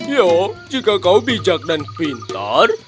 yuk jika kau bijak dan pintar